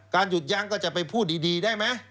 หยุดยั้งก็จะไปพูดดีได้ไหม